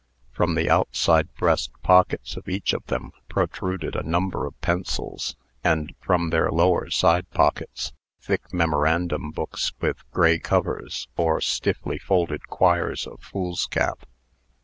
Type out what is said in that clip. From the outside breast pockets of each of them protruded a number of pencils; and, from their lower side pockets, thick memorandum books with gray covers, or stiffly folded quires of foolscap.